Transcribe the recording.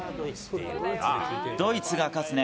ドイツが勝つね。